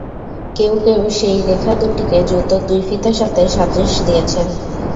কেউ কেউ সেই রেখা দুটিকে জুতোর দুই ফিতার সাথে সাদৃশ্য দিয়েছেন।